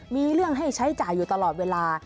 มีเรื่องให้ใช้จ่ายอยู่ตลอดเวลา